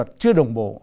các luật chưa đồng bộ